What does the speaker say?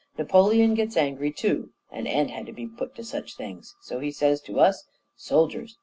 Napoleon gets angry too; an end had to be put to such doings; so he says to us: 'Soldiers!